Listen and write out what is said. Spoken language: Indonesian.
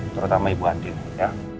terutama ibu adil ya